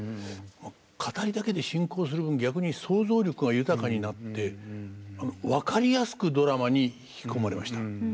語りだけで進行する分逆に想像力が豊かになって分かりやすくドラマに引き込まれました。